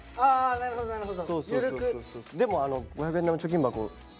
なるほどなるほど。